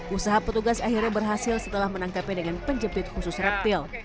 usaha petugas akhirnya berhasil setelah menangkapnya dengan penjepit khusus reptil